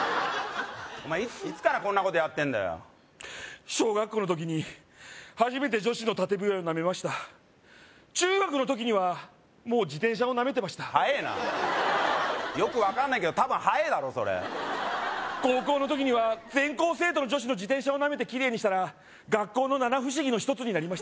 お前いつからこんなことやってんだよ小学校の時に初めて女子の縦笛をなめました中学の時にはもう自転車をなめてましたよく分かんないけど多分早えだろそれ高校の時には全校生徒の女子の自転車をなめてキレイにしたら学校の七不思議の一つになりまし